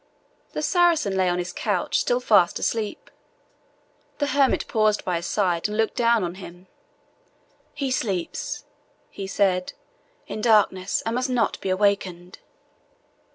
The Saracen lay on his couch, still fast asleep. The hermit paused by his side, and looked down on him. "He sleeps," he said, "in darkness, and must not be awakened."